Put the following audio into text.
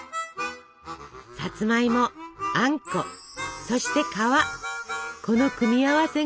さつまいもあんこそして皮この組み合わせが最高なの！